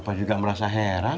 bapak juga merasa heran